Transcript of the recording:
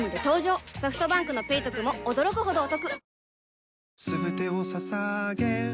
ソフトバンクの「ペイトク」も驚くほどおトク